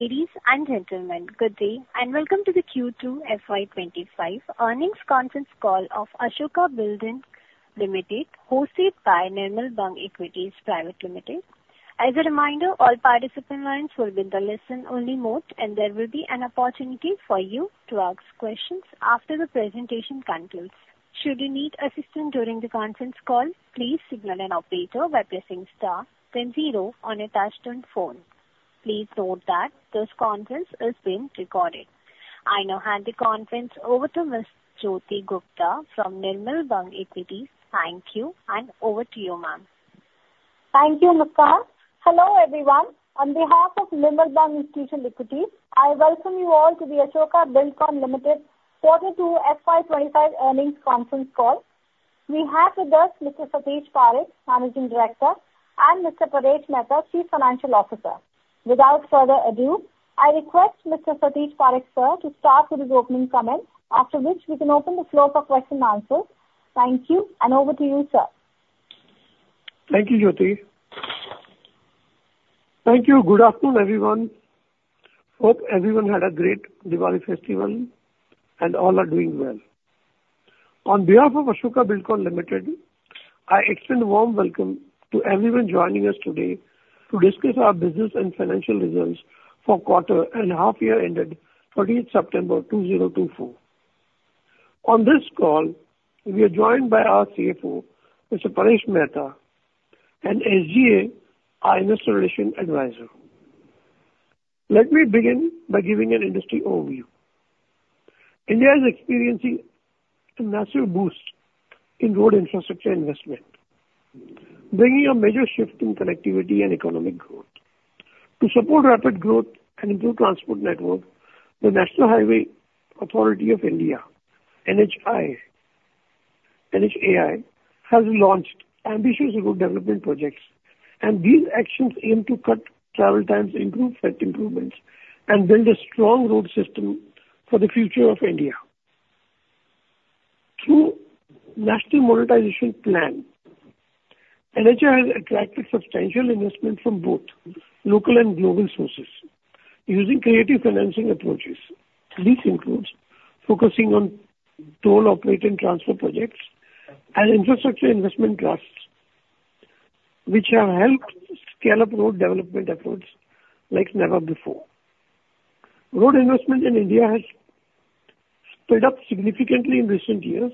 Ladies and gentlemen, good day and welcome to the Q2 FY 2025 earnings conference call of Ashoka Buildcon, hosted by Nirmal Bang Equities Pvt. Ltd. As a reminder, all participants will be in the listen-only mode, and there will be an opportunity for you to ask questions after the presentation concludes. Should you need assistance during the conference call, please signal an operator by pressing *0 on your touchtone phone. Please note that this conference is being recorded. I now hand the conference over to Ms. Jyoti Gupta from Nirmal Bang Equities. Thank you, and over to you, ma'am. Thank you, Muktar. Hello everyone. On behalf of Nirmal Bang Equities, I welcome you all to the Ashoka Buildcon Q2 FY 2025 earnings conference call. We have with us Mr. Satish Parakh, Managing Director, and Mr. Paresh Mehta, Chief Financial Officer. Without further ado, I request Mr. Satish Parakh, sir, to start with his opening comments, after which we can open the floor for questions and answers. Thank you, and over to you, sir. Thank you, Jyoti. Thank you. Good afternoon, everyone. Hope everyone had a great Diwali festival, and all are doing well. On behalf of Ashoka Buildcon Limited, I extend a warm welcome to everyone joining us today to discuss our business and financial results for the quarter and half-year ended 30 September 2024. On this call, we are joined by our CFO, Mr. Paresh Mehta, an SGA IR Relations Advisor. Let me begin by giving an industry overview. India is experiencing a massive boost in road infrastructure investment, bringing a major shift in connectivity and economic growth. To support rapid growth and improve transport networks, the National Highways Authority of India, NHAI, has launched ambitious road development projects, and these actions aim to cut travel times, improve safety, and build a strong road system for the future of India. Through the National Monetization Pipeline, NHAI has attracted substantial investment from both local and global sources using creative financing approaches. These include focusing on toll operate transfer projects and infrastructure investment trusts, which have helped scale up road development efforts like never before. Road investment in India has sped up significantly in recent years.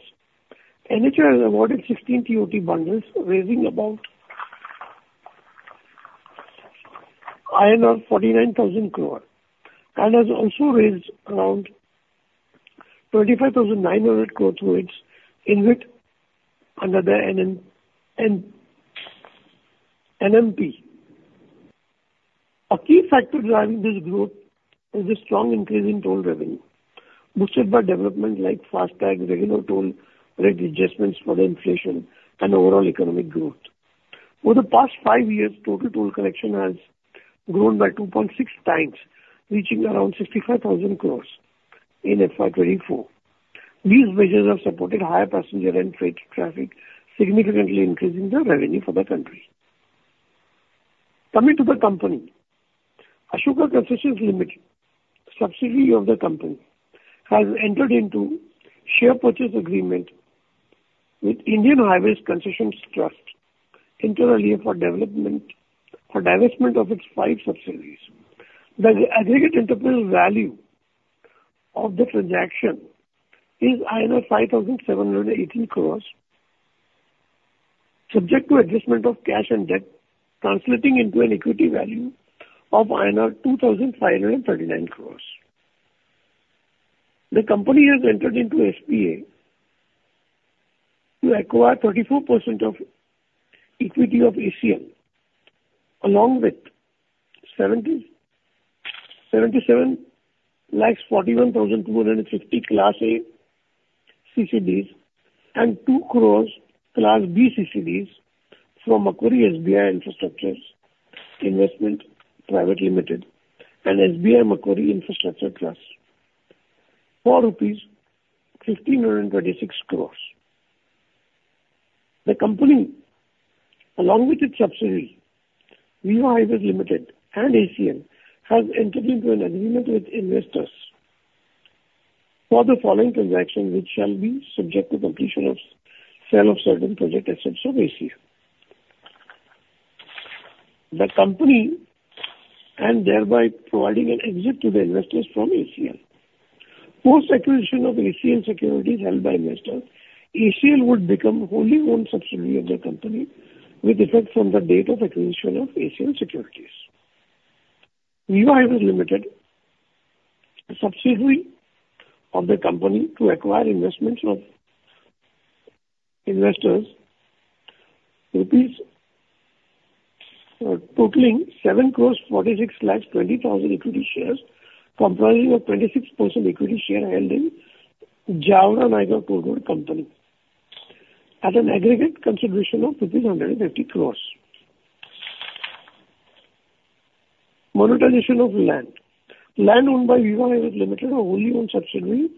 NHAI has awarded 16 TOT bundles, raising about 49,000 crore, and has also raised around 25,900 crore through its InvIT under the NMP. A key factor driving this growth is the strong increase in toll revenue, boosted by developments like fast-tracked regular toll rate adjustments for the inflation and overall economic growth. Over the past five years, total toll collection has grown by 2.6 times, reaching around 65,000 crores in FY24. These measures have supported higher passenger and freight traffic, significantly increasing the revenue for the country. Coming to the company, Ashoka Concessions Limited, subsidiary of the company, has entered into a share purchase agreement with India Highway Concession Trust for divestment of its five subsidiaries. The aggregate enterprise value of the transaction is INR 5,718 crores, subject to adjustment of cash and debt, translating into an equity value of INR 2,539 crores. The company has entered into SPA to acquire 34% of equity of ACL, along with 7,741,250 Class A CCDs and 2 crores Class B CCDs from Macquarie SBI Infrastructure Investment Pvt. Ltd. and SBI Macquarie Infrastructure Trust, for INR 1,526 crores. The company, along with its subsidiaries, Viva Highways Ltd. and ACL, has entered into an agreement with investors for the following transactions, which shall be subject to completion of sale of certain project assets of ACL, and thereby providing an exit to the investors from ACL. Post-acquisition of ACL securities held by investors, ACL would become the wholly owned subsidiary of the company, with effect from the date of acquisition of ACL securities. Viva Highways Ltd., a subsidiary of the company, to acquire investments of investors, totaling 7 crores 46 lakh 20,000 equity shares, comprising of 26% equity share held in Jaora-Nayagaon Toll Road Company Private Limited at an aggregate consideration of INR 150 crores. Monetization of land. Land owned by Viva Highways Ltd., a wholly owned subsidiary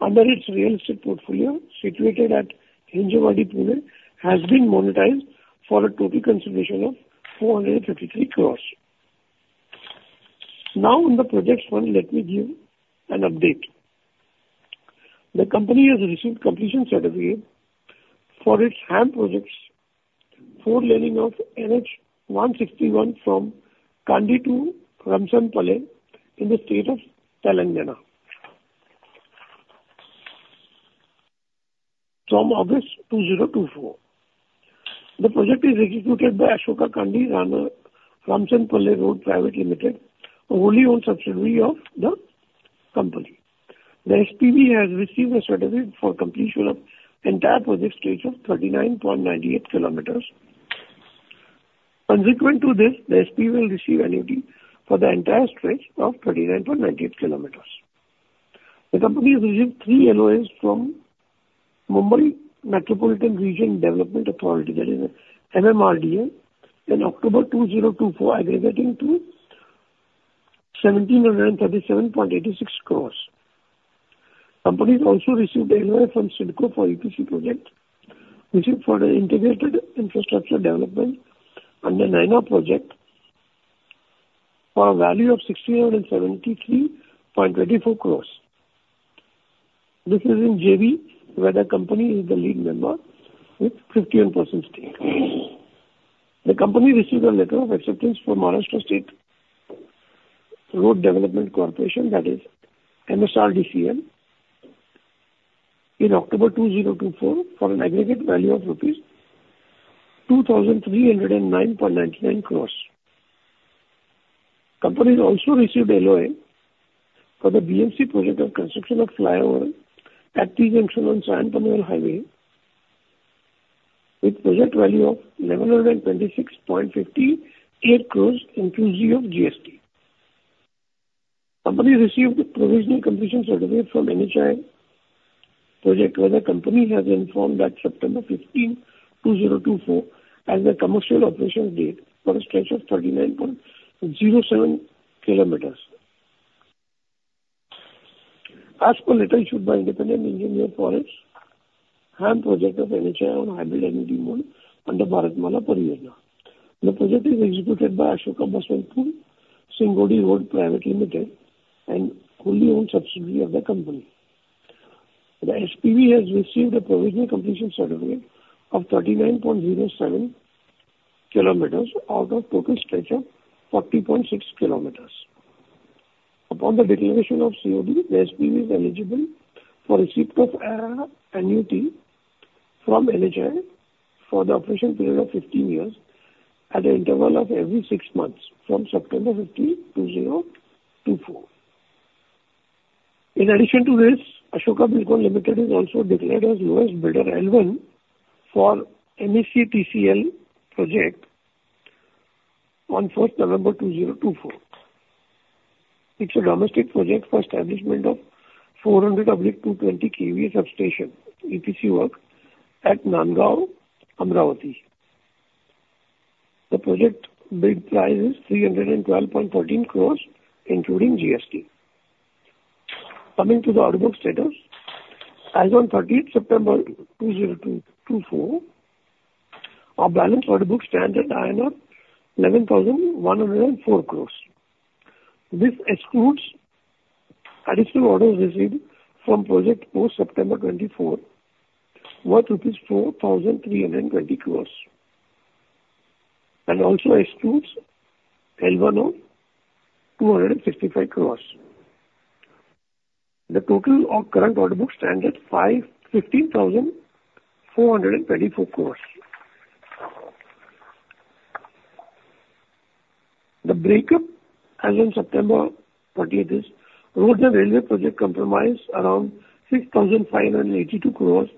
under its real estate portfolio situated at Hinjawadi, Pune, has been monetized for a total consideration of 453 crores. Now, on the projects one, let me give an update. The company has received completion certificate for its HAM projects four laning of NH 161 from Kandi to Ramsanpalle in the state of Telangana from August 2024. The project is executed by Ashoka Kandi Ramsanpalle Road Pvt. Ltd, a wholly owned subsidiary of the company. The SPV has received a certificate for completion of the entire project stage of 39.98 kilometers. Consequent to this, the SPV will receive annuity for the entire stretch of 39.98 kilometers. The company has received three LOAs from Mumbai Metropolitan Region Development Authority, that is MMRDA, in October 2024, aggregating to 1,737.86 crores. The company has also received an LOA from CIDCO for EPC project, which is for the Integrated Infrastructure Development under NAINA project for a value of 6,773.24 crores. This is in JV, where the company is the lead member with 51% stake. The company received a letter of acceptance from Maharashtra State Road Development Corporation, that is MSRDCL, in October 2024 for an aggregate value of Rs 2,309.99 crores. The company has also received an LOA for the BMC project of construction of flyover at T-junction on Sion-Panvel Highway, with project value of 1,126.58 crores inclusive of GST. The company received a provisional completion certificate from NHAI project, where the company has been informed that September 15, 2024, as the commercial operation date for a stretch of 39.07 km. As per letter issued by independent engineer for its HAM project of NHAI on Hybrid Annuity Mode under Bharatmala Pariyojana, the project is executed by Ashoka Baswantpur Singnodi Road Pvt. Ltd. and wholly owned subsidiary of the company. The SPV has received a provisional completion certificate of 39.07 km out of a total stretch of 40.6 km. Upon the declaration of COD, the SPV is eligible for receipt of an annuity from NHAI for the operation period of 15 years at an interval of every six months from September 15, 2024. In addition to this, Ashoka Buildcon Limited is also declared as Lowest Bidder L1 for MSETCL project on 1st November 2024. It's a domestic project for establishment of 400/220 kV substation EPC work at Nandgaon, Amravati. The project bid price is 312.13 crores, including GST. Coming to the order book status, as of 30 September 2024, our balance order book stands at 11,104 crores. This excludes additional orders received from project post-September 24, worth rupees 4,320 crores, and also excludes L1 of 265 crores. The total of current order book stands at 15,424 crores. The breakdown, as of September 28, is road and railway projects comprise around 6,582 crores,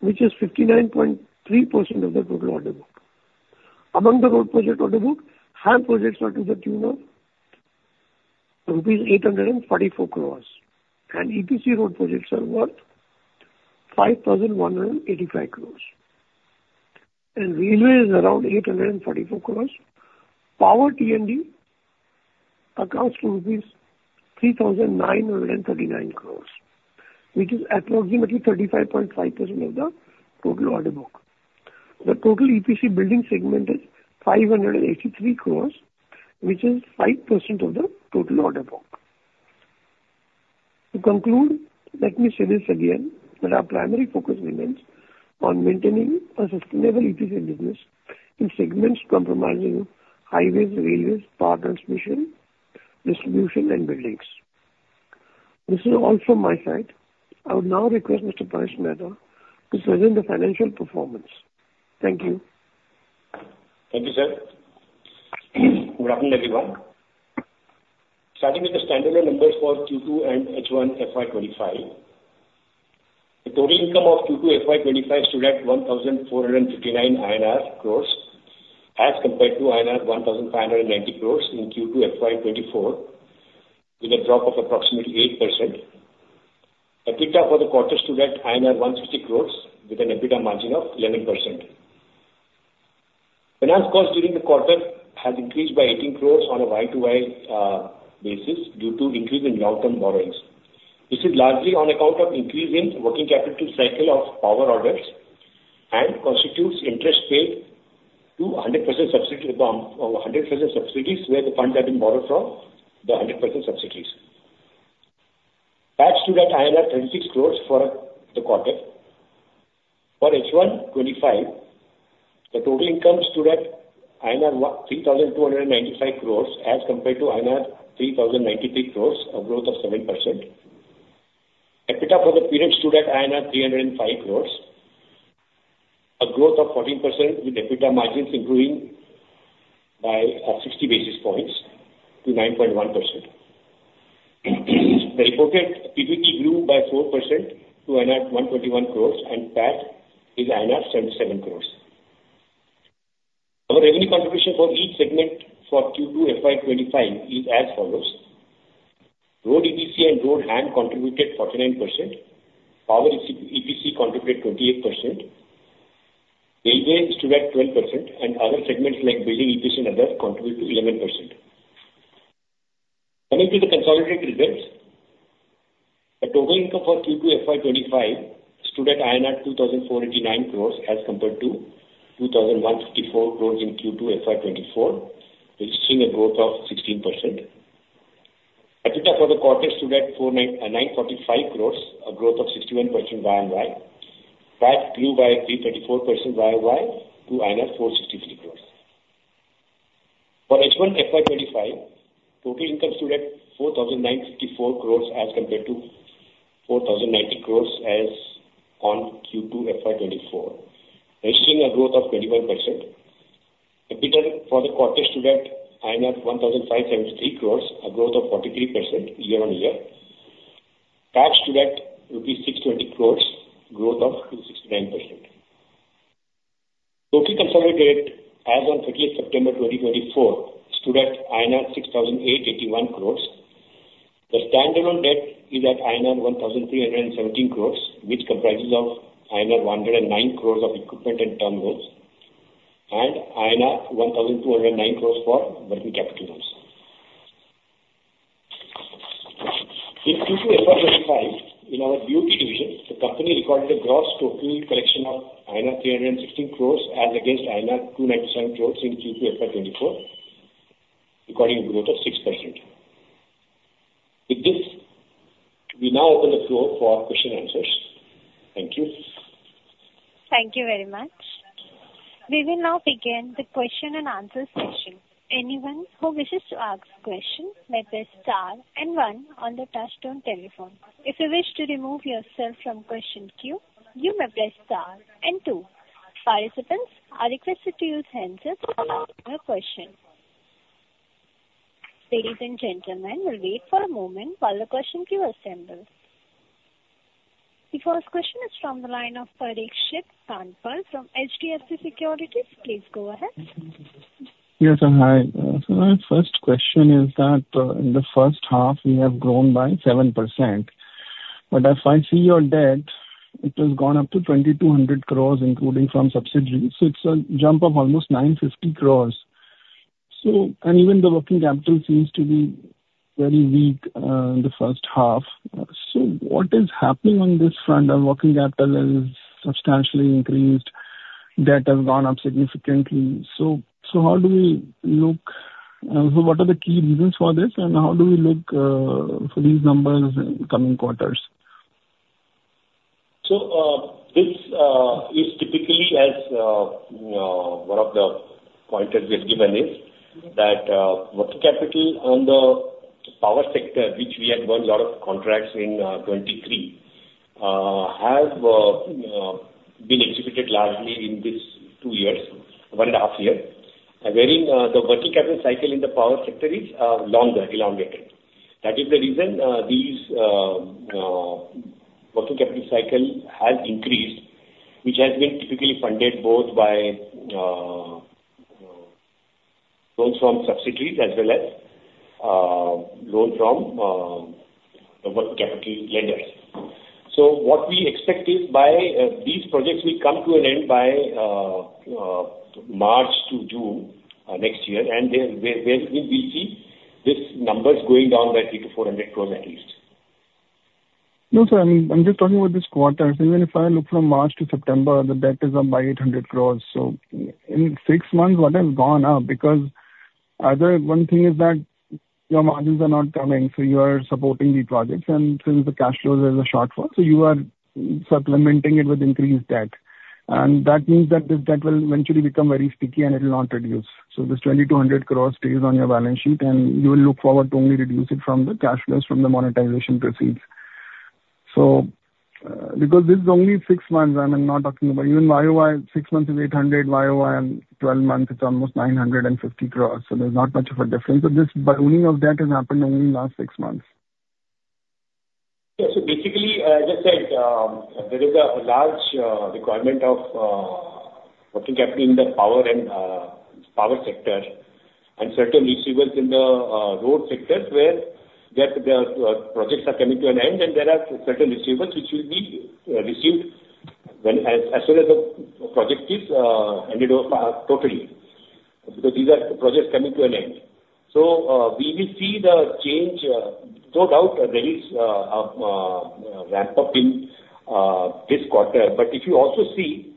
which is 59.3% of the total order book. Among the road project order book, HAM projects are to the tune of rupees 844 crores, and EPC road projects are worth 5,185 crores. And railway is around 844 crores. Power T&D accounts for 3,939 crores, which is approximately 35.5% of the total order book. The total EPC building segment is 583 crores, which is 5% of the total order book. To conclude, let me say this again, that our primary focus remains on maintaining a sustainable EPC business in segments comprising highways, railways, power transmission, distribution, and buildings. This is all from my side. I would now request Mr. Paresh Mehta to present the financial performance. Thank you. Thank you, sir. Good afternoon, everyone. Starting with the standalone numbers for Q2 and H1 FY 2025, the total income of Q2 FY 2025 stood at INR 1,459 crores as compared to INR 1,590 crores in Q2 FY 2024, with a drop of approximately 8%. EBITDA for the quarter stood at 150 crores, with an EBITDA margin of 11%. Finance cost during the quarter has increased by 18 crores on a Y-to-Y basis due to increase in long-term borrowings. This is largely on account of increase in working capital cycle of power orders and constitutes interest paid to 100% subsidiaries where the funds have been borrowed from the 100% subsidiaries. PAT stood at 36 crores for the quarter. For H1 2025, the total income stood at INR 3,295 crores as compared to INR 3,093 crores, a growth of 7%. EBITDA for the period stood at INR 305 crores, a growth of 14%, with EBITDA margins improving by 60 basis points to 9.1%. The reported PBT grew by 4% to INR 121 crores, and PAT is INR 77 crores. Our revenue contribution for each segment for Q2 FY 2025 is as follows: Road EPC and Road HAM contributed 49%, Power EPC contributed 28%, Railway stood at 12%, and other segments like Building EPC and others contributed 11%. Coming to the consolidated results, the total income for Q2 FY25 stood at 2,489 crores as compared to 2,154 crores in Q2 FY 2024, registering a growth of 16%. EBITDA for the quarter stood at 945 crores, a growth of 61% Y-on-Y. PAT grew by 324% Y-on-Y to INR 463 crores. For H1 FY 2025, total income stood at 4,954 crores as compared to 4,090 crores as on Q2 FY 2024, registering a growth of 21%. EBITDA for the quarter stood at INR 1,573 crores, a growth of 43% year-on-year. PAT stood at rupees 620 crores, growth of 69%. Total consolidated debt as of 30 September 2024 stood at INR 6,881 crores. The standalone debt is at INR 1,317 crores, which comprises of INR 109 crores of equipment and terminals, and INR 1,209 crores for working capital loans. In Q2 FY 2025, in our BOT division, the company recorded a gross total collection of INR 316 crores as against INR 297 crores in Q2 FY 2024, recording a growth of 6%. With this, we now open the floor for questions and answers. Thank you. Thank you very much. We will now begin the question and answer session. Anyone who wishes to ask a question may press star and one on the touch-tone telephone. If you wish to remove yourself from question queue, you may press star and two. Participants are requested to use the handset to answer a question. Ladies and gentlemen, we'll wait for a moment while the question queue assembles. The first question is from the line of Parikshit Kandpal from HDFC Securities. Please go ahead. Yes, sir. Hi. So my first question is that in the first half, we have grown by 7%. But if I see your debt, it has gone up to 2,200 crores, including from subsidiaries. So it's a jump of almost 950 crores. And even the working capital seems to be very weak in the first half. So what is happening on this front? Our working capital has substantially increased. Debt has gone up significantly. So how do we look? So what are the key reasons for this? And how do we look for these numbers in coming quarters? So this is typically as one of the pointers we have given is that working capital on the power sector, which we had won a lot of contracts in 2023, has been executed largely in these two years, one and a half years, wherein the working capital cycle in the power sector is longer, elongated. That is the reason this working capital cycle has increased, which has been typically funded both by loans from subsidiaries as well as loans from the working capital lenders. So what we expect is by these projects, we come to an end by March to June next year, and we'll see these numbers going down by 300-400 crores at least. No, sir. I'm just talking about this quarter. Even if I look from March to September, the debt is up by 800 crores. In six months, what has gone up? Because one thing is that your margins are not coming. You are supporting the projects, and since the cash flows are a shortfall, you are supplementing it with increased debt. That means that this debt will eventually become very sticky, and it will not reduce. This 2,200 crores stays on your balance sheet, and you will look forward to only reduce it from the cash flows from the monetization proceeds. Because this is only six months, I'm not talking about even YOY. Six months is 800 crores. YOY, 12 months, it's almost 950 crores. There's not much of a difference. This burning of debt has happened only in the last six months. Yes. So basically, as I said, there is a large requirement of working capital in the power and power sector and certain residuals in the road sectors where the projects are coming to an end, and there are certain residuals which will be received as soon as the project is handed over totally because these are projects coming to an end. So we will see the change, no doubt. There is a ramp-up in this quarter. But if you also see,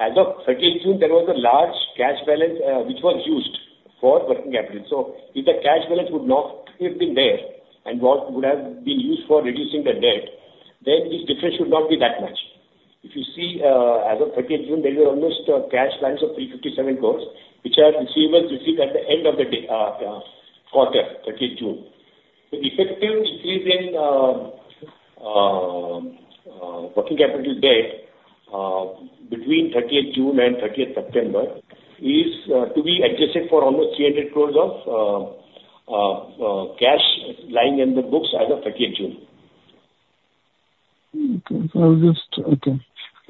as of 30 June, there was a large cash balance which was used for working capital. So if the cash balance would not have been there and what would have been used for reducing the debt, then this difference should not be that much. If you see, as of 30 June, there were almost cash balance of 357 crores, which are residuals received at the end of the quarter, 30 June. The effective increase in working capital debt between 30 June and 30 September is to be adjusted for almost 300 crores of cash lying in the books as of 30 June. Okay. So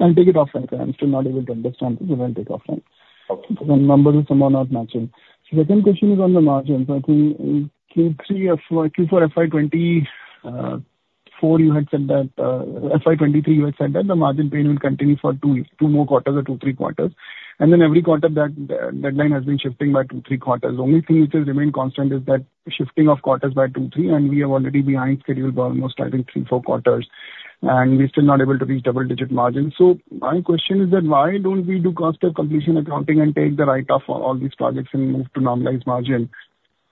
I'll take it offline. I'm still not able to understand. I'll take it offline. Okay. Because the numbers are somehow not matching. So the second question is on the margins. I think Q3 FY 2024, FY 2024, you had said that FY 2023, you had said that the margin pay will continue for two more quarters or two, three quarters. And then every quarter, that deadline has been shifting by two, three quarters. The only thing which has remained constant is that shifting of quarters by two, three, and we are already behind schedule by almost, I think, three, four quarters. And we're still not able to reach double-digit margins. So my question is that why don't we do cost of completion accounting and take the write-off for all these projects and move to normalized margin? Because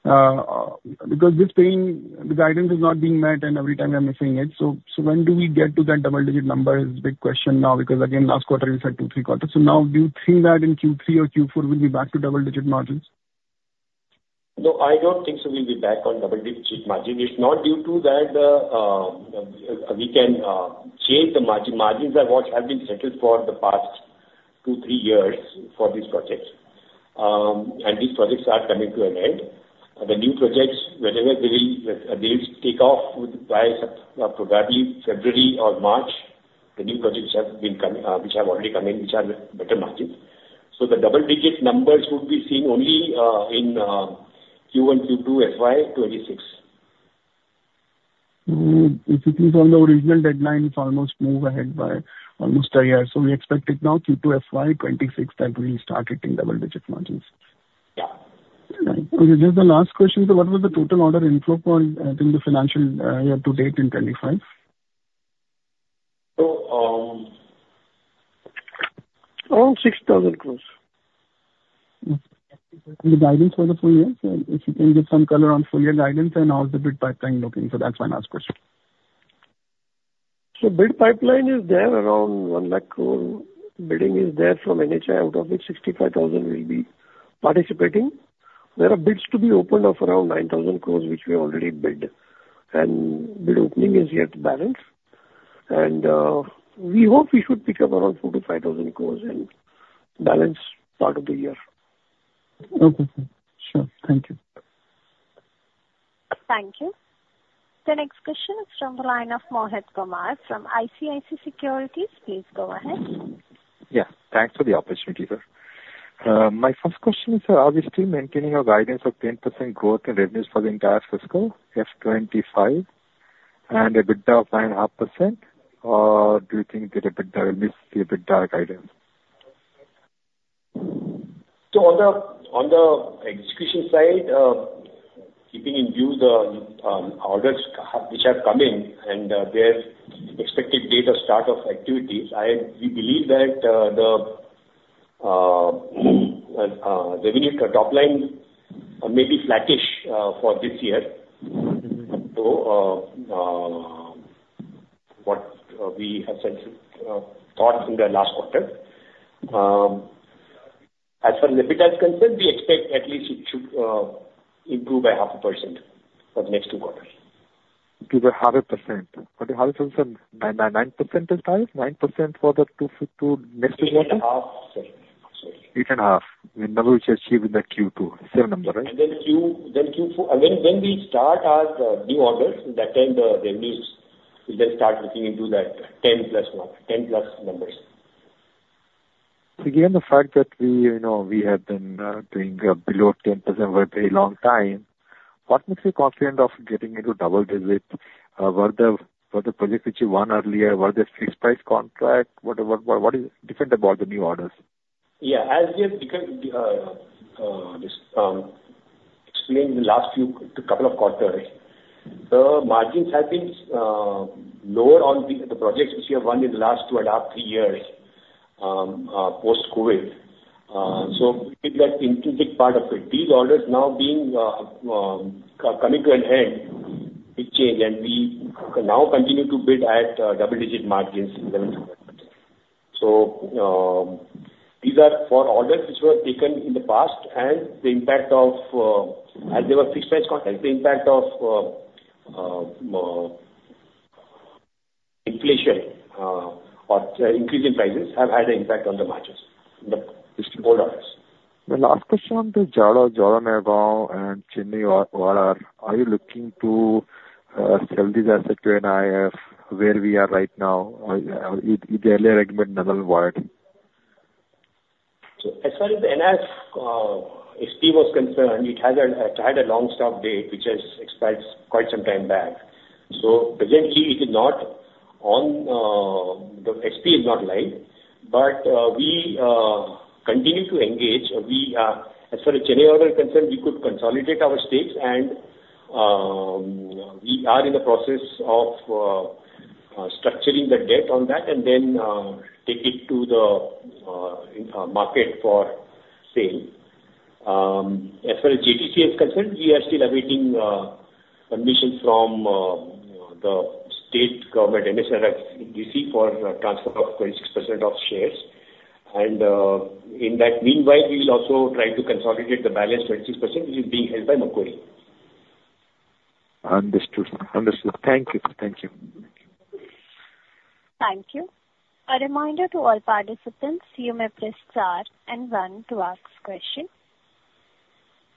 this paying, the guidance is not being met, and every time we are missing it. So when do we get to that double-digit number is a big question now because, again, last quarter, we said two, three quarters. So now, do you think that in Q3 or Q4, we'll be back to double-digit margins? No, I don't think so. We'll be back on double-digit margins. If not, due to that, we can change the margins. Margins are what have been settled for the past two, three years for these projects. These projects are coming to an end. The new projects, whenever they will take off by probably February or March, the new projects have been coming which have already come in, which are better margins, so the double-digit numbers would be seen only in Q1, Q2 FY 2026. If it is on the original deadline, it's almost moved ahead by almost a year. So we expect it now, Q2 FY 2026, that we will start hitting double-digit margins. Yeah. Okay. Just the last question. So what was the total order inflow for, I think, the financial year to date in 2025? Oh. Around INR 6,000 crores. The guidance for the full year? So if you can give some color on full year guidance and how is the bid pipeline looking. So that's my last question. So bid pipeline is there around 1 lakh crores. Bidding is there from NHAI out of it. 65,000 will be participating. There are bids to be opened of around 9,000 crores, which we already bid. And bid opening is yet to balance. And we hope we should pick up around 4,000-5,000 crores and balance part of the year. Okay. Sure. Thank you. Thank you. The next question is from the line of Mohit Kumar from ICICI Securities. Please go ahead. Yeah. Thanks for the opportunity, sir. My first question is, sir, are we still maintaining a guidance of 10% growth in revenues for the entire fiscal F25 and EBITDA of 9.5%? Or do you think the EBITDA will miss the EBITDA guidance? So on the execution side, keeping in view the orders which have come in and their expected date of start of activities, we believe that the revenue top line may be flattish for this year. So what we have said though in the last quarter. As for EBITDA concern, we expect at least it should improve by 0.5% for the next two quarters. To the 0.5%. For the 0.5%, 9% is high. 9% for the next two quarters? Eight and a half, sir. Eight and a half. The number which is achieved in the Q2, same number, right? And then Q4, when we start on new orders, that time the revenues will then start looking up to that 10-plus numbers. Given the fact that we have been doing below 10% for a very long time, what makes you confident of getting into double-digit? Were the projects which you won earlier, were they fixed-price contract? What is different about the new orders? Yeah. As we have explained in the last few couple of quarters, the margins have been lower on the projects which we have won in the last two and a half, three years post-COVID. So we did that intrinsic part of it. These orders now coming to an end, big change, and we now continue to bid at double-digit margins. So these are four orders which were taken in the past, and the impact of, as they were fixed-price contracts, the impact of inflation or increase in prices have had an impact on the margins in the old orders. My last question on the Jaora-Nayagaon and Chennai ORR. Are you looking to sell these assets to InvIT where we are right now? Earlier, I remember NAINA ORR. So as far as the IHCT SPA was concerned, it had a long stop date, which has expired quite some time back. So presently, it is not on. The SPA is not live. But we continue to engage. As for the Chennai ORR concerned, we could consolidate our stakes, and we are in the process of structuring the debt on that and then take it to the market for sale. As for the Jaora-Nayagaon concerned, we are still awaiting permission from the state government, NHAI, for transfer of 26% of shares. And in that meanwhile, we will also try to consolidate the balance 26%, which is being held by Macquarie. Understood. Understood. Thank you. Thank you. Thank you. A reminder to all participants, you may press star and one to ask question.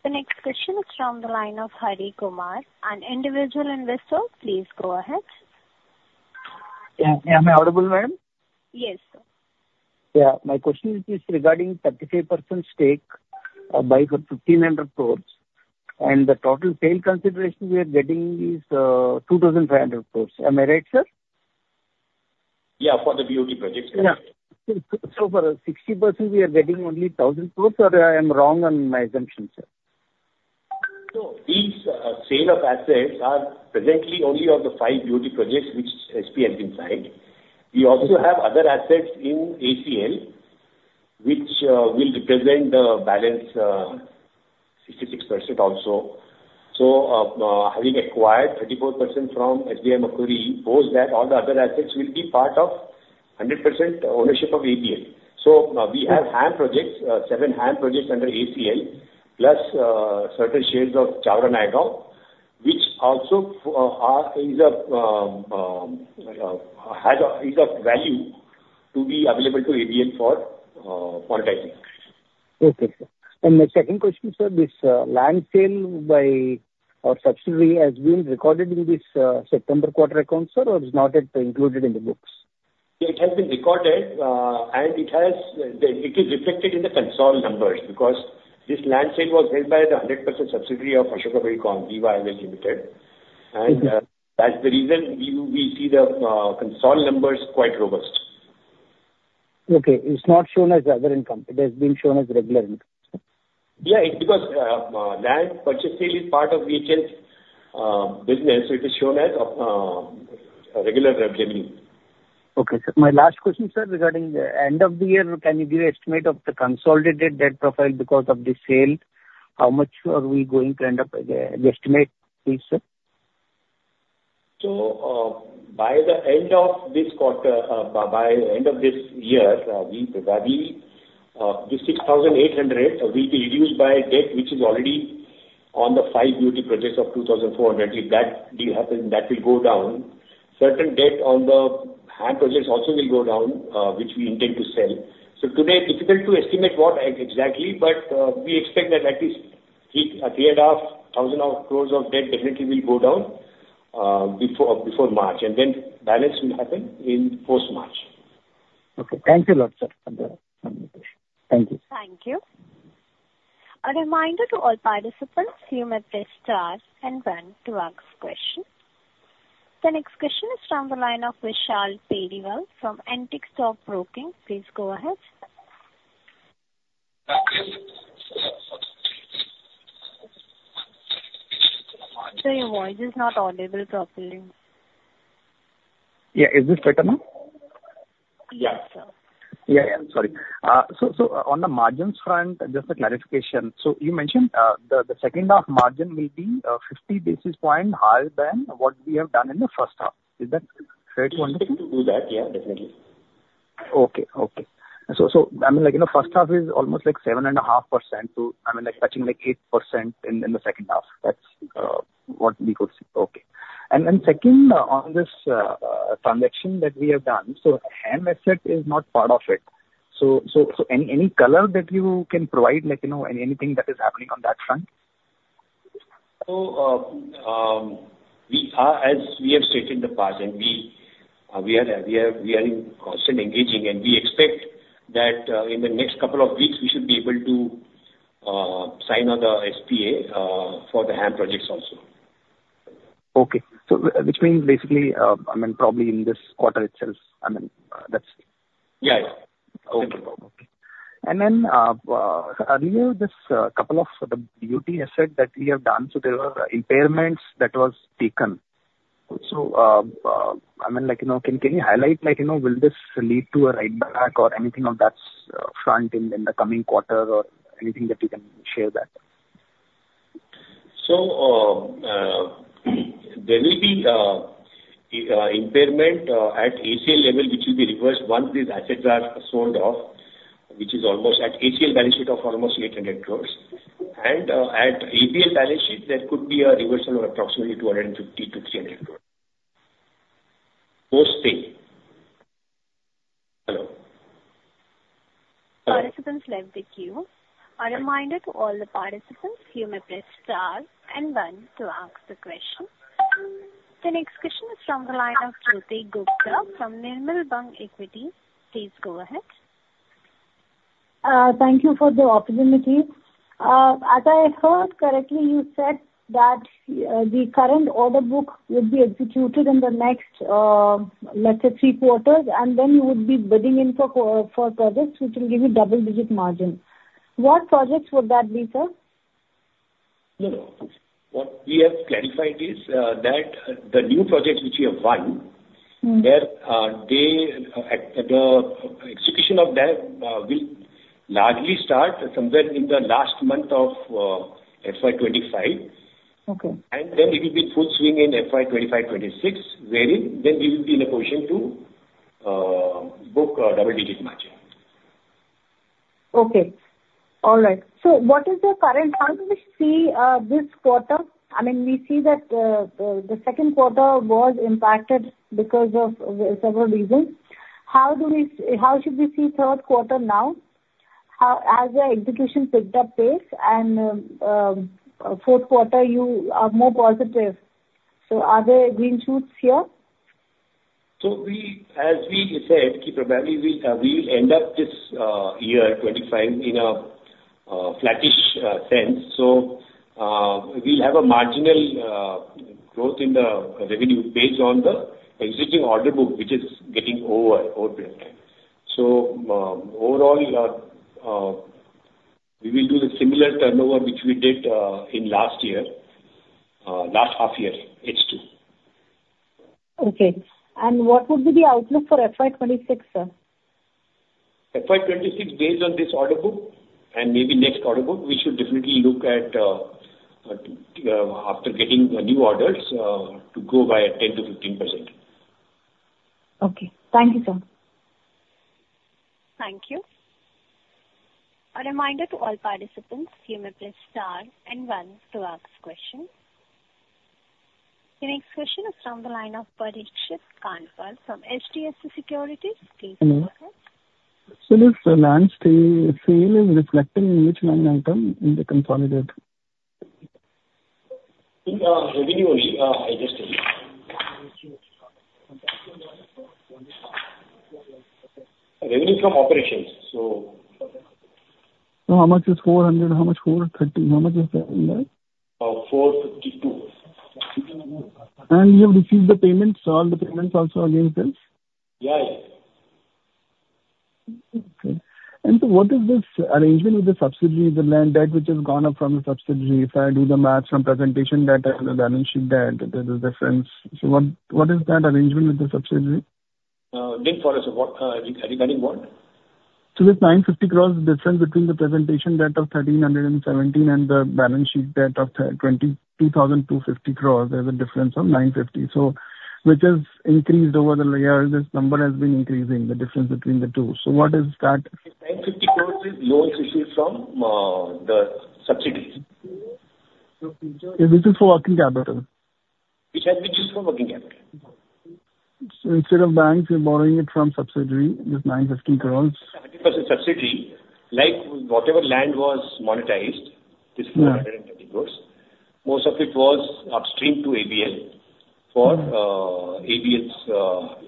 The next question is from the line of Hari Kumar. An individual investor, please go ahead. Yeah. May I order, madam? Yes, sir. Yeah. My question is regarding 35% stake by 1,500 crores. And the total sale consideration we are getting is 2,500 crores. Am I right, sir? Yeah. For the BOT projects. Yeah. So for 60%, we are getting only 1,000 crores? Or I am wrong on my assumption, sir? No. These sale of assets are presently only of the five BOT projects which SPA has been signed. We also have other assets in ACL, which will represent the balance 66% also. So having acquired 34% from SBI Macquarie, both that, all the other assets will be part of 100% ownership of ABL. So we have HAM projects, seven HAM projects under ACL, plus certain shares of Jaora-Nayagaon, which also has a value to be available to ABL for monetizing. Okay, sir. And my second question, sir, this land sale by our subsidiary has been recorded in this September quarter account, sir, or is not included in the books? Yeah. It has been recorded, and it is reflected in the consolidated numbers because this land sale was held by the 100% subsidiary of Ashoka Buildcon, Viva Highways Limited. And that's the reason we see the consolidated numbers quite robust. Okay. It's not shown as other income. It has been shown as regular income. Yeah. Because land purchase sale is part of the HL business, so it is shown as regular revenue. Okay, sir. My last question, sir, regarding the end of the year, can you give an estimate of the consolidated debt profile because of this sale? How much are we going to end up? The estimate, please, sir. So by the end of this quarter, by the end of this year, we'll be 6,800. We'll be reduced by debt which is already on the five BOT projects of 2,400. If that deal happens, that will go down. Certain debt on the HAM projects also will go down, which we intend to sell. So today, difficult to estimate what exactly, but we expect that at least 3,500 crores of debt definitely will go down before March. And then balance will happen in post-March. Okay. Thank you a lot, sir, for the question. Thank you. Thank you. A reminder to all participants, you may press star and one to ask questions. The next question is from the line of Vishal Periwal from Antique Stock Broking. Please go ahead. So your voice is not audible properly. Yeah. Is this better now? Yes, sir. Yeah. Yeah. I'm sorry. So on the margins front, just a clarification. So you mentioned the second half margin will be 50 basis points higher than what we have done in the first half. Is that fair to understand? We expect to do that. Yeah. Definitely. Okay. So I mean, first half is almost like 7.5%-8% in the second half. That's what we could see. Okay. And then second, on this transaction that we have done, so HAM asset is not part of it. So any color that you can provide, anything that is happening on that front? So as we have stated in the past, and we are in constant engagement, and we expect that in the next couple of weeks, we should be able to sign the SPA for the HAM projects also. Okay, so which means basically, I mean, probably in this quarter itself, I mean, that's. Yes. Okay. Okay. And then earlier, this couple of the BOT assets that we have done, so there were impairments that were taken. So I mean, can you highlight, will this lead to a write-back or anything on that front in the coming quarter or anything that you can share that? So there will be impairment at ACL level, which will be reversed once these assets are sold off, which is almost INR 800 crores at ACL balance sheet. And at ABL balance sheet, there could be a reversal of approximately 250-300 crores post-sale. Hello. Participants left the queue. A reminder to all the participants, you may press star and one to ask the question. The next question is from the line of Jyoti Gupta from Nirmal Bang Equities. Please go ahead. Thank you for the opportunity. As I heard correctly, you said that the current order book would be executed in the next, let's say, three quarters, and then you would be bidding in for projects which will give you double-digit margin. What projects would that be, sir? What we have clarified is that the new projects which we have won, their execution of them will largely start somewhere in the last month of FY 2025, and then it will be full swing in FY 2025, 2026, wherein then we will be in a position to book double-digit margin. Okay. All right. So what is the current? How do we see this quarter? I mean, we see that the second quarter was impacted because of several reasons. How should we see third quarter now as the execution picked up pace? And fourth quarter, you are more positive. So are there green shoots here? So as we said, keep in mind, we will end up this year 2025 in a flattish sense. So we'll have a marginal growth in the revenue based on the existing order book, which is getting overbuilt. So overall, we will do the similar turnover which we did in last year, last half year, H2. Okay, and what would be the outlook for FY 2026, sir? FY 2026, based on this order book and maybe next order book, we should definitely look at, after getting the new orders, to go by 10%-15%. Okay. Thank you, sir. Thank you. A reminder to all participants, you may press star and one to ask question. The next question is from the line of Parikshit Kandpal from HDFC Securities. Please go ahead. So if the land sale is reflected in which line item in the consolidated? Revenue only. Revenue from operations. How much is 400? How much is 430? How much is that in there? 452. You have received the payments, all the payments also against them? Yeah. Yeah. Okay. And so what is this arrangement with the subsidiary, the land debt which has gone up from the subsidiary? If I do the math from presentation debt and the balance sheet debt, there is a difference. So what is that arrangement with the subsidiary? Link for us. Regarding what? So there's 950 crores difference between the presentation debt of 1,317 and the balance sheet debt of 2,250 crores. There's a difference of 950. So which has increased over the years? This number has been increasing, the difference between the two. So what is that? 950 crores is loan issued from the subsidiary. This is for working capital? It has been used for working capital. So instead of banks, you're borrowing it from subsidiary, this 950 crores? 70% subsidiary, like whatever land was monetized, this is 930 crores. Most of it was upstream to ABL for ABL's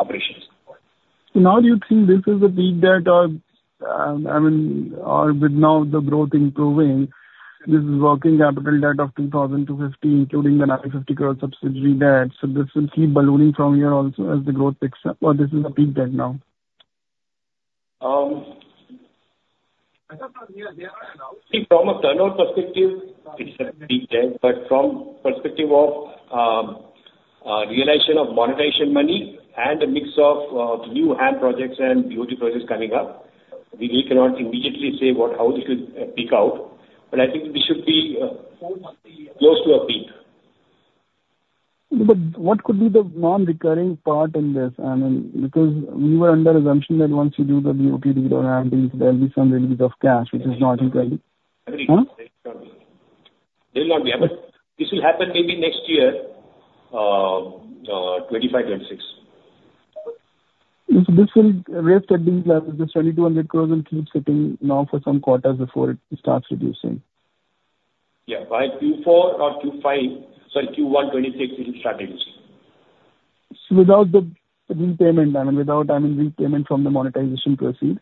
operations. So now you'd see this is the peak debt of, I mean, or with now the growth improving, this is working capital debt of 2,050, including the 950 crores subsidiary debt. So this will keep ballooning from here also as the growth picks up. Or this is the peak debt now? From a turnover perspective, it's a peak debt. But from perspective of realization of monetization money and a mix of new HAM projects and BOT projects coming up, we cannot immediately say how this will peak out. But I think we should be close to a peak. But what could be the non-recurring part in this? I mean, because we were under assumption that once you do the BOT, you don't have these, there'll be some release of cash, which is not incredible. There will not be. But this will happen maybe next year, 2025, 2026. So this will raise to at least this 2,200 crores and keep sitting now for some quarters before it starts reducing. Yeah. By Q4 or Q5, sorry, Q1, 2026, it will start reducing. So without the repayment, I mean, repayment from the monetization proceeds.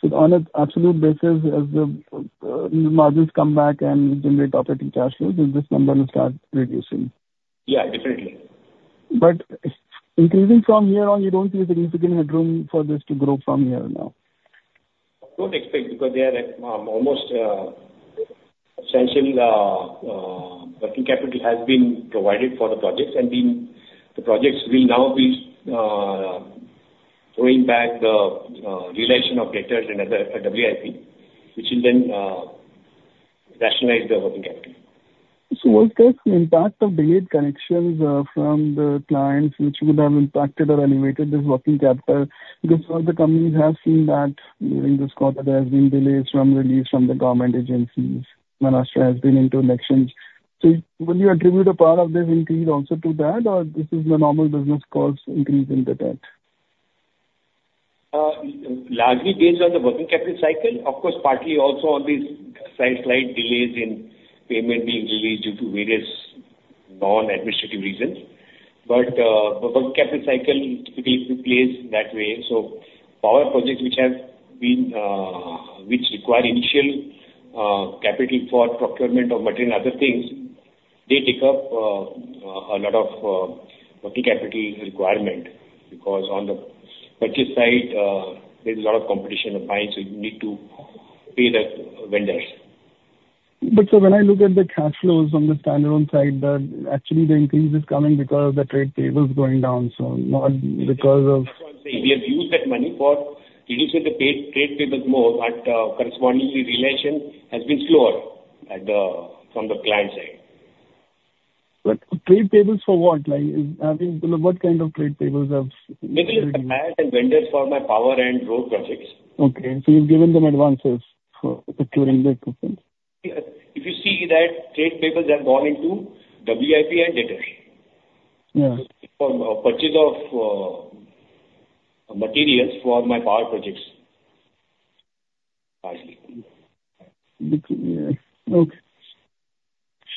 So on an absolute basis, as the margins come back and generate operating cash flows, this number will start reducing. Yeah. Definitely. But increasing from here on, you don't see a significant headroom for this to grow from here now. Don't expect because they are almost essentially working capital has been provided for the projects. And then the projects will now be going back to the realization of debtors and other WIP, which will then rationalize the working capital. So was there some impact of delayed connections from the clients, which would have impacted or elevated this working capital? Because some of the companies have seen that during this quarter, there have been delays from release from the government agencies. Maharashtra has been into elections. So would you attribute a part of this increase also to that, or this is the normal business cost increase in the debt? Largely based on the working capital cycle. Of course, partly also on these slight delays in payment being released due to various non-administrative reasons. But the working capital cycle typically plays that way. So power projects which require initial capital for procurement of material and other things, they take up a lot of working capital requirement because on the purchase side, there's a lot of competition of mines, so you need to pay the vendors. But so when I look at the cash flows on the standalone side, actually the increase is coming because of the trade payables going down, so not because of. We have used that money for reducing the trade payables more, but correspondingly, receivables has been slower from the client side. But trade payables for what? I mean, what kind of trade payables have? Mainly the land and vendors for my power and road projects. Okay, so you've given them advances for procuring the equipment. If you see that trade payables have gone into WIP and debtors for purchase of materials for my power projects. Okay.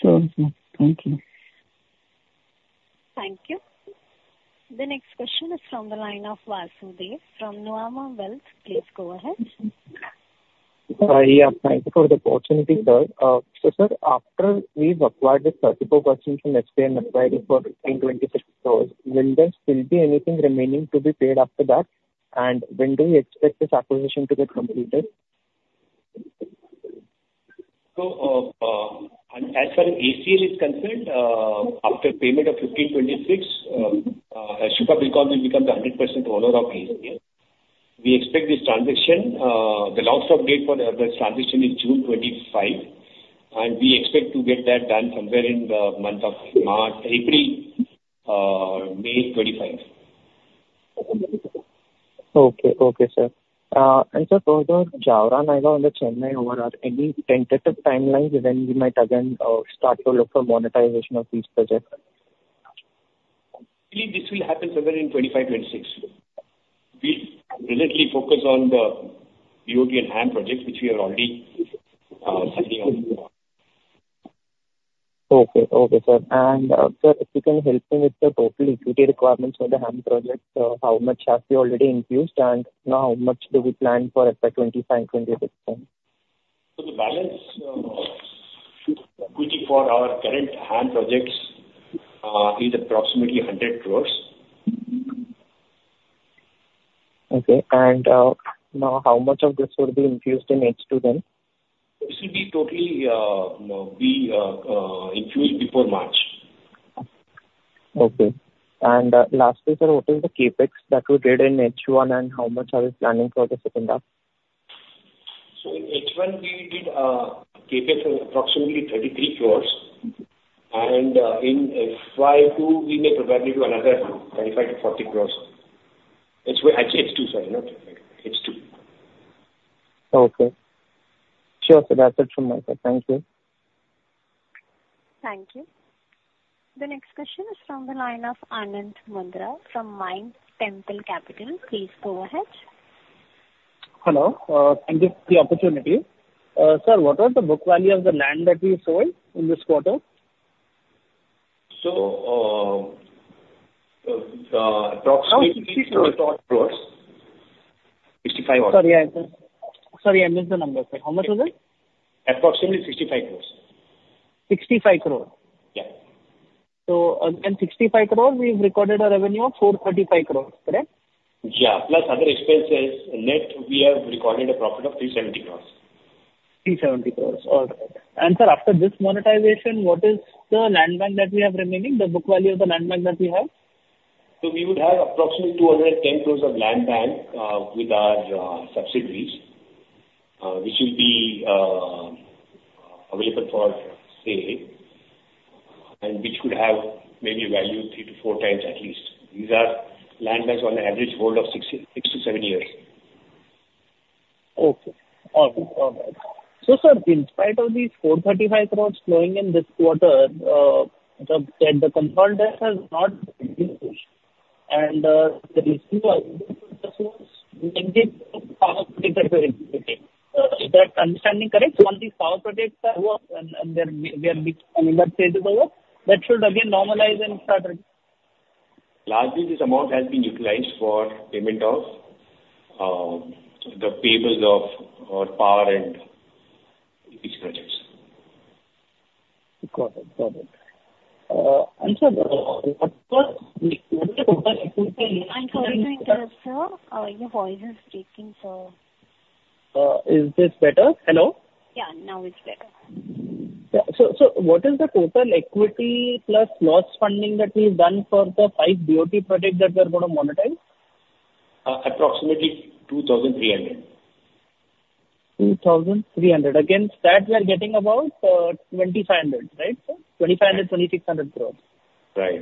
Sure. Thank you. Thank you. The next question is from the line of Vasudev from Nuvama Wealth. Please go ahead. Yeah. Thank you for the opportunity, sir. So sir, after we've acquired this 34% from SBI Macquarie and acquired it for 1,526 crores, will there still be anything remaining to be paid after that? And when do we expect this acquisition to get completed? So as far as ACL is concerned, after payment of 1,526, Ashoka Buildcon will become the 100% owner of ACL. We expect this transaction, the last update for the transaction is June 25, and we expect to get that done somewhere in the month of March, April, May 2025. Okay, sir. And sir, for the Jaora-Nayagaon and the Chennai OR, are any tentative timelines when we might again start to look for monetization of these projects? This will happen somewhere in 2025, 2026. We'll presently focus on the Bharatmala and HAM projects, which we are already sitting on. Okay. Okay, sir. And sir, if you can help me with the total equity requirements for the HAM projects, how much have you already infused? And now how much do we plan for FY 2025, 2026? The balance equity for our current HAM projects is approximately INR 100 crores. Okay, and now how much of this would be infused in H2 then? This will be totally infused before March. Okay, and lastly, sir, what is the CapEx that we did in H1 and how much are we planning for the second half? In H1, we did CapEx of approximately 33 crores. In H2, we may provide you to another 25-40 crores. H2, sorry, not H2. Okay. Sure. So that's it from my side. Thank you. Thank you. The next question is from the line of Anant Mundra from Mytemple Capital. Please go ahead. Hello. Thank you for the opportunity. Sir, what was the book value of the land that we sold in this quarter? Approximately 64 crores. 65 crores. Sorry, I missed the number, sir. How much was it? Approximately 65 crores. 65 crores. Yeah. So again, 65 crores, we've recorded a revenue of 435 crores. Correct? Yeah. Plus other expenses net, we have recorded a profit of 370 crores. 370 crores. All right. And sir, after this monetization, what is the land bank that we have remaining? The book value of the land bank that we have? We would have approximately 210 crores of land bank with our subsidiaries, which will be available for sale, and which could have maybe value three to four times at least. These are land banks on an average hold of six to seven years. Okay. All right. Sir, in spite of these 435 crores flowing in this quarter, the consolidation has not been used. There is no other reason for this one. We can give power projects are very expecting. Is that understanding correct? All these power projects are EPC work, and they are being in that stage of overrun, that should again normalize and start. Largely, this amount has been utilized for payment of the payments of power and these projects. Got it. Got it. And sir, what was the total equity? I'm sorry to interrupt, sir. Your voice is speaking, so. Is this better? Hello? Yeah. Now it's better. Yeah. So what is the total equity plus loan funding that we've done for the five BOT projects that we're going to monetize? Approximately 2,300. 2,300. Against that, we are getting about 2,500, right? 2,500, 2,600 crores. Right.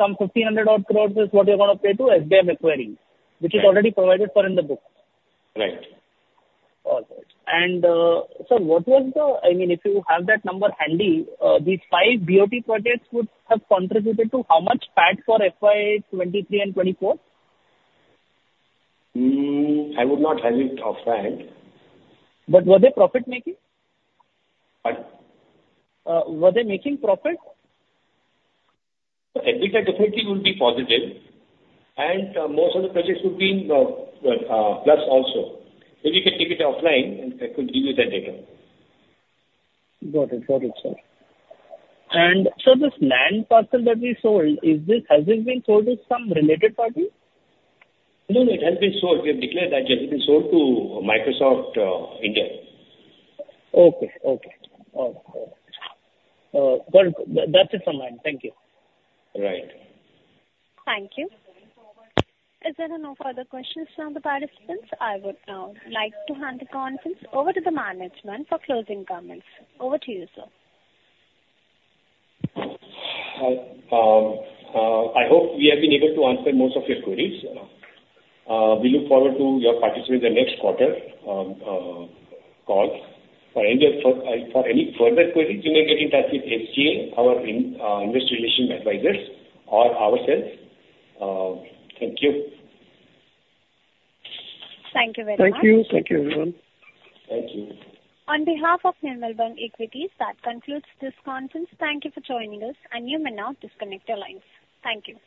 Some 1,500 odd crores is what we're going to pay to SBI Macquarie, which is already provided for in the book. Right. All right, and sir, what was, I mean, if you have that number handy, these five BOT projects would have contributed to how much PAT for FY 2023 and 2024? I would not have it offhand. But were they profit-making? Pardon? Were they making profit? The return definitely would be positive. And most of the projects would be plus also. If you can take it offline, I could give you that data. Got it. Got it, sir. And sir, this land parcel that we sold, has it been sold to some related party? No, no. It has been sold. We have declared that it has been sold to Microsoft India. Okay. All right. Well, that's it from mine. Thank you. Right. Thank you. Is there no further questions from the participants? I would now like to hand the conference over to the management for closing comments. Over to you, sir. I hope we have been able to answer most of your queries. We look forward to your participation in the next quarter call. For any further queries, you may get in touch with SGA, our investor relations advisors, or ourselves. Thank you. Thank you very much. Thank you. Thank you, everyone. Thank you. On behalf of Nirmal Bang Equities, that concludes this conference. Thank you for joining us, and you may now disconnect your lines. Thank you.